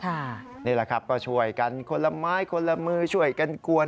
นี่แหละครับก็ช่วยกันคนละไม้คนละมือช่วยกันกวน